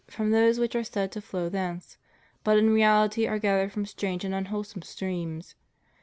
57 from those which are said to flow thence, but in reality are gathered from strange and unwholesome streams.